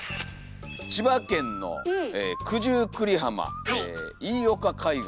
千葉県の九十九里浜飯岡海岸。